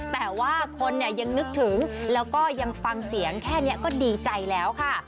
แต่ว่าคนเนี่ยยังนึกถึงแล้วก็ยังฟังเสียงแค่นี้ก็ดีใจแล้วค่ะ